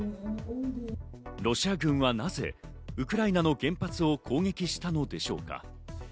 ロシア軍はなぜウクライナの原発を攻撃したのでしょうか。